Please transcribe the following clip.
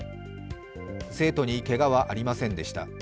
生徒にけがはありませんでした。